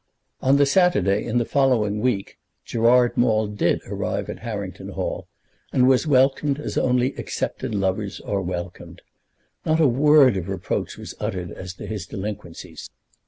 On the Saturday in the following week Gerard Maule did arrive at Harrington Hall, and was welcomed as only accepted lovers are welcomed. Not a word of reproach was uttered as to his delinquencies.